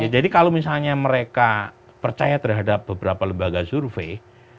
jadi kalau misalnya mereka percaya terhadap beberapa lembaga survei